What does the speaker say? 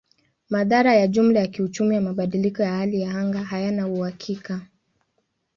Madhara ya jumla ya kiuchumi ya mabadiliko ya hali ya anga hayana uhakika.